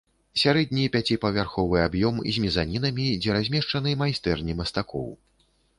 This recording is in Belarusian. Сярэдні пяціпавярховы аб'ём з мезанінамі, дзе размешчаны майстэрні мастакоў.